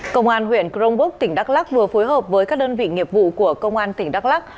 công an huyện crongbuk tỉnh đắk lắc vừa phối hợp với các đơn vị nghiệp vụ của công an tỉnh đắk lắc